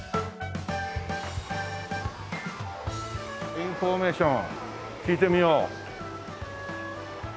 インフォメーション聞いてみよう。